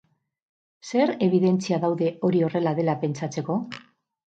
Zer ebidentzia daude hori horrela dela pentsatzeko?